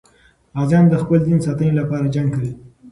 غازیان د خپل دین ساتنې لپاره جنګ کوي.